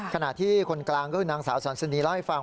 ขณะที่คนกลางก็คือนางสาวสันสนีเล่าให้ฟัง